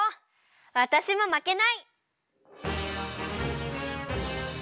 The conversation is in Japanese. わたしもまけない！